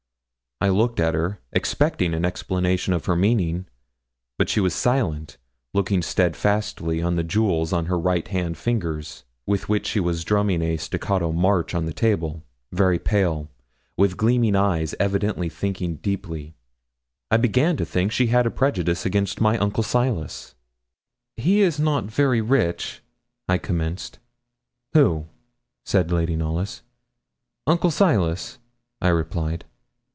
I looked at her, expecting an explanation of her meaning; but she was silent, looking steadfastly on the jewels on her right hand fingers, with which she was drumming a staccato march on the table, very pale, with gleaming eyes, evidently thinking deeply. I began to think she had a prejudice against my uncle Silas. 'He is not very rich,' I commenced. 'Who?' said Lady Knollys. 'Uncle Silas,' I replied.